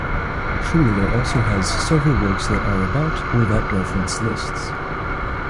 Schuyler also has several works that are about, or that reference lists.